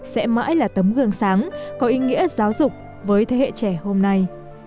sẽ mãi là tấm gương sáng có ý nghĩa giáo dục với thế hệ trẻ hôm nay